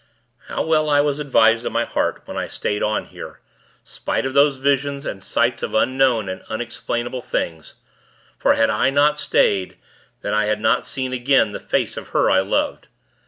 How well I was advised, in my heart, when I stayed on here spite of those visions and sights of unknown and unexplainable things; for, had I not stayed, then I had not seen again the face of her I loved.